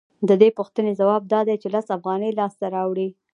د دې پوښتنې ځواب دا دی چې لس افغانۍ لاسته راوړي